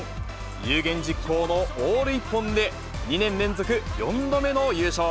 有言実行のオール一本で、２年連続４度目の優勝。